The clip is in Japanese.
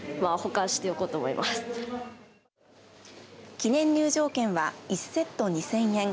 記念入場券は１セット２０００円。